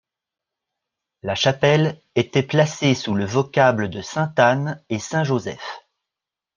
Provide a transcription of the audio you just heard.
La chapelle était placée sous le vocable de Sainte-Anne et Saint-Joseph.